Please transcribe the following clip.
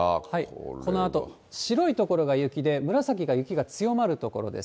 このあと、白い所が雪で、紫が雪が強まる所です。